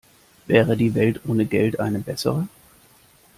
Wäre die Welt ohne Geld eine bessere?